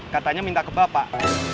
katanya minta ke bapak